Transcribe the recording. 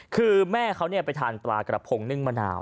คือแม่เขาไปทานปลากระพงนึ่งมะนาว